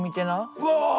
うわ！